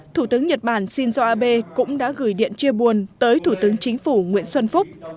thủ tướng nhật bản shinzo abe cũng đã gửi điện chia buồn tới thủ tướng chính phủ nguyễn xuân phúc